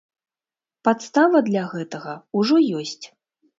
Падстава для гэтага ўжо ёсць.